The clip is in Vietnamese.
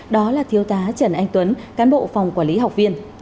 đó là thiếu tá trần anh tuấn cán bộ phòng quản lý học viên